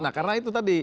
nah karena itu tadi